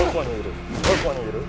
どこにいる？